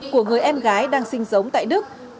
của người em gái đang sinh sống tại đức